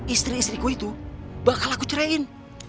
istri istriku itu bakal aku ceraiin